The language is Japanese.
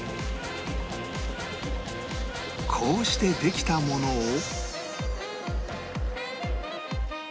こうしてできたものを